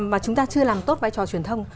mà chúng ta chưa làm tốt vai trò truyền thông